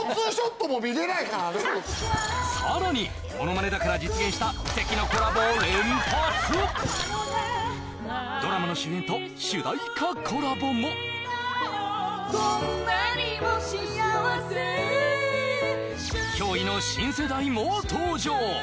さらにものまねだから実現した奇跡のコラボ連発ドラマの主演と主題歌コラボもこんなにも幸せ驚異の新世代も登場！